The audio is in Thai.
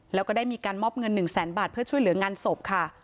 แล้วก็ได้มีการมอบเงิน๑แสนบาทเพื่อช่วยเหลืองานศพค่ะ